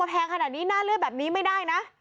แพงขนาดนี้หน้าเลือดแบบนี้ไม่ได้นะ